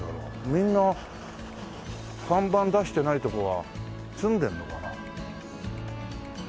みんな看板出してない所は住んでるのかな？